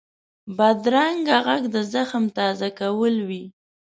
بدرنګه غږ د زخم تازه کول وي